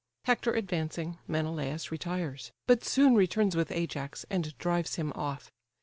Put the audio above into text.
Hector advancing, Menelaus retires; but soon returns with Ajax, and drives him off.